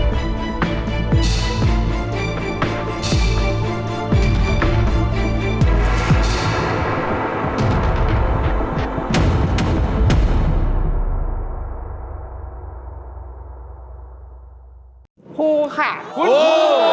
คุณฟูค่ะคุณฟูคุณฟูค่ะคุณฟู